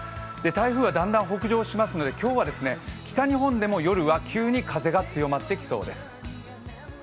台風はだんだん北上しますので今日は北日本でも夜は急に風が強まってきそうです。